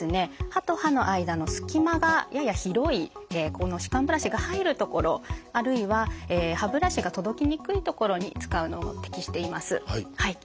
歯と歯の間のすき間がやや広い歯間ブラシが入る所あるいは歯ブラシが届きにくい所に使うのに適しています。